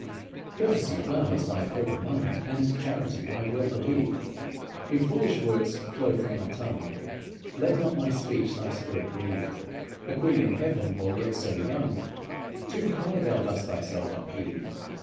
"Courtesy flowers thy folk among, And charity, I well believe. If foolish words flow from my tongue, Let not my speech thy spirit grieve. A queen in heaven while yet so young, Too high thou dost thyself upheave.